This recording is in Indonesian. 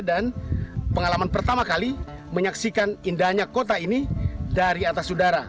dan pengalaman pertama kali menyaksikan indahnya kota ini dari atas udara